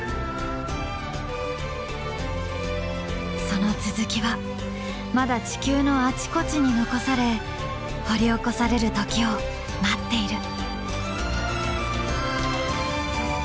その続きはまだ地球のあちこちに残され掘り起こされる時を待っている。